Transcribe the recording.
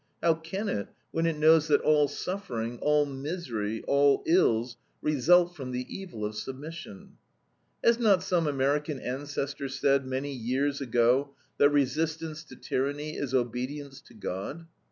How can it, when it knows that all suffering, all misery, all ills, result from the evil of submission? Has not some American ancestor said, many years ago, that resistance to tyranny is obedience to God?